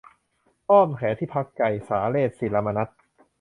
อ้อมแขนที่พักใจ - สาเรศ ศิระมนัส